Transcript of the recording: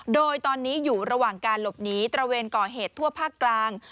โดยตอนนี้อยู่ระหว่างการหลบหนีตระเวนก่อเหตุทั่วภาคกลาง